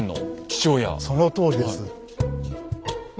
そのとおりです。